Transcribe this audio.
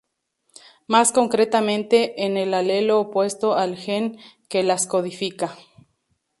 Más concretamente, en el alelo opuesto al gen que las codifica.